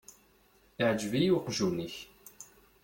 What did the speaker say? Iεgeb-iyi uqjun-ik.